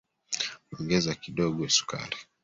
Ongeza kidogo sukari